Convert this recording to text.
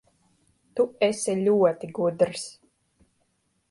Tu esi ļoti gudrs.